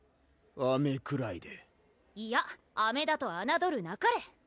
あめくらいでいやあめだとあなどるなかれ！